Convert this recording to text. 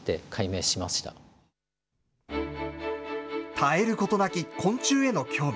絶えることなき昆虫への興味。